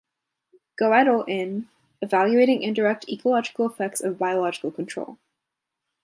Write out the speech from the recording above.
Goettel in "Evaluating Indirect Ecological Effects of Biological Control".